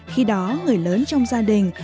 khi đó người lớn trong gia đình